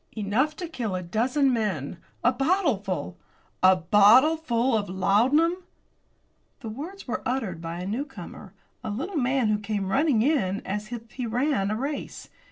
"Enough to kill a dozen men. A bottleful." "A bottleful of laudanum!" The words were uttered by a newcomer a little man who came running in as if he ran a race.